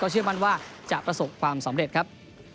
เชื่อมั่นว่าจะประสบความสำเร็จครับ